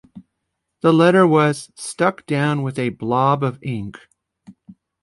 The letter was stuck down with a blob of ink.